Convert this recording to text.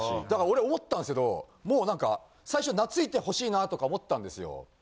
だから俺思ったんですけどもうなんか最初懐いてほしいなとか思ったんですよ。